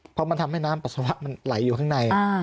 เพราะมันทำให้น้ำปัสสาวะมันไหลอยู่ข้างใน